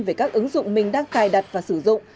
về các ứng dụng mình đang cài đặt và sử dụng